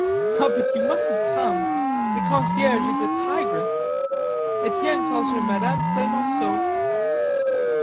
"But you mustn't come. The concierge is a tigress.... Etienne calls her Mme. Clemenceau."